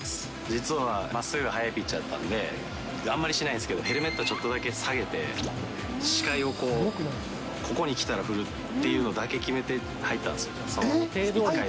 実は、まっすぐが速いピッチャーだったんで、あんまりしないんですけど、ヘルメットちょっとだけ下げて、視界をこう、ここに来たら振るっていうのだけ決めて入ったんですよね。